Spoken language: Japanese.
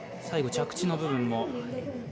最後、着地の部分も。